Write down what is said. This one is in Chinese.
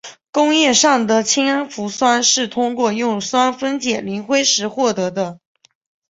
工业上的氢氟酸是通过用酸分解磷灰石获得的。